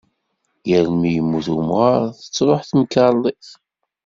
Yal mi yemmut umɣar tettruḥ temkerḍit.